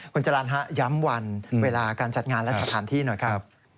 คุณจรรย์ฮะย้ำวันเวลาการจัดงานและสถานที่หน่อยครับ